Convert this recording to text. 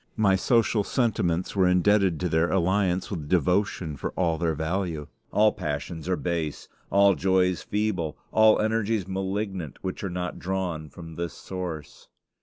My social sentiments were indebted to their alliance with devotion for all their value. All passions are base, all joys feeble, all energies malignant, which are not drawn from this source.